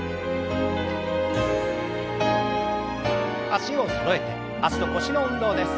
脚をそろえて脚と腰の運動です。